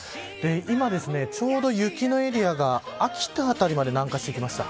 今、ちょうど雪のエリアが秋田辺りまで南下してきました。